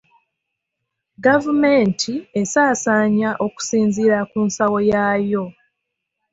Gavumenti esaasaanya okusinzira ku nsawo yaayo.